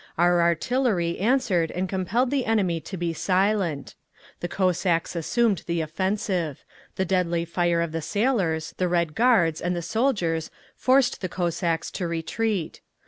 Our artillery answered and compelled the enemy to be silent. The Cossacks assumed the offensive. The deadly fire of the sailors, the Red Guards and the soldiers forced the Cossacks to retreat.